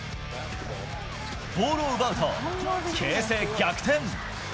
ボールを奪うと形勢逆転。